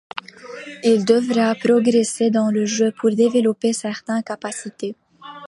Il devra progresser dans le jeu pour développer certaines capacités.